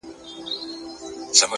هغه زما خبري پټي ساتي.